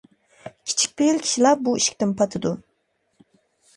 كىچىك پېئىل كىشىلا بۇ ئىشىكتىن پاتىدۇ.